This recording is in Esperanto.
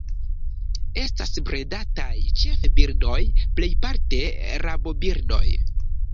Estas bredataj ĉefe birdoj, plejparte rabobirdoj.